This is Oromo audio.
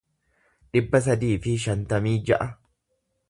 dhibba sadii fi shantamii ja'a